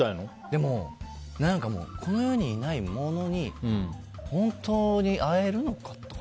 でも、この世にいないものに本当に会えるのかとか。